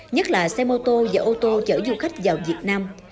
nhất là xe mô tô và ô tô chở du khách vào việt nam